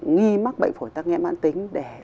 nghi mắc bệnh phổi tắc nhém mạng tính để